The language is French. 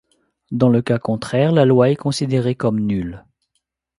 Dans le cas contraire, la loi est considérée comme nulle.